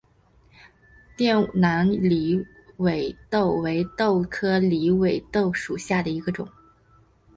滇南狸尾豆为豆科狸尾豆属下的一个种。